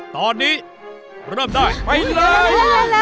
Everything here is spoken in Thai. ตอนนี้เริ่มได้ไปเลย